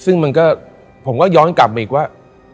ซึ่งมันก็ผมก็ย้อนกลับมาอีกว่า